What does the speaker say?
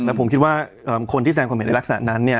แล้วผมคิดว่าคนที่แสงความเห็นในลักษณะนั้นเนี่ย